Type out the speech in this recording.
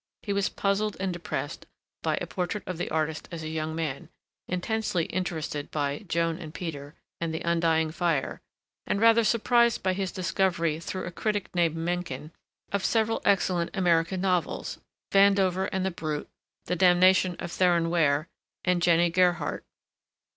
He was puzzled and depressed by "A Portrait of the Artist as a Young Man"; intensely interested by "Joan and Peter" and "The Undying Fire," and rather surprised by his discovery through a critic named Mencken of several excellent American novels: "Vandover and the Brute," "The Damnation of Theron Ware," and "Jennie Gerhardt."